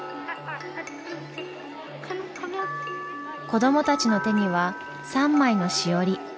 子どもたちの手には３枚のしおり。